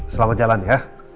selamat jalan ya